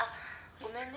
ごめんね。